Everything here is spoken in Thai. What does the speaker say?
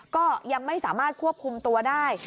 ก็ยังไม่สามารถควบคุมตัวได้